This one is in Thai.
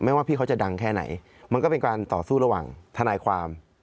ว่าพี่เขาจะดังแค่ไหนมันก็เป็นการต่อสู้ระหว่างทนายความ